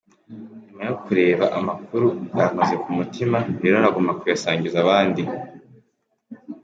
"Nyuma yo kureba amakuru, yankoze ku mutima, rero nagombaga kuyasangiza abandi".